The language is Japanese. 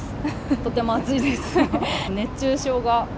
とても暑いです。